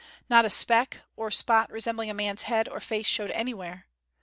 Not a speck or spot resembling a man's head or face showed anywhere.